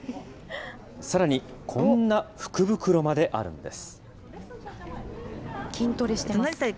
さらに、こんな福袋まであるんです。